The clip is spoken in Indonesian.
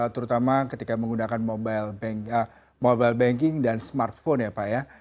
terutama ketika menggunakan mobile banking dan smartphone ya pak ya